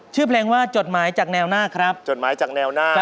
ชื่อเพลงอะไรที่ยุ่งไว้